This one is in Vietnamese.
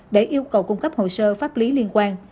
để yêu cầu cung cấp hồ sơ pháp lý liên quan